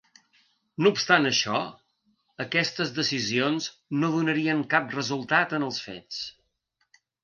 No obstant això, aquestes decisions no donarien cap resultat en els fets.